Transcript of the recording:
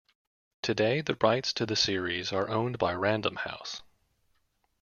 Today the rights to the series are owned by Random House.